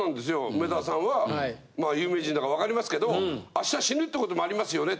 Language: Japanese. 「梅沢さんは有名人だから分かりますけど明日死ぬってこともありますよね？」